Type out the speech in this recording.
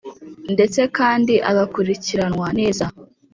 ndetse kandi agakurikiranywa neza,